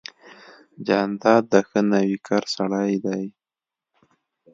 جانداد د ښه نویکر سړی دی.